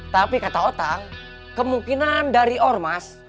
tapi kata otak kemungkinan dari ormas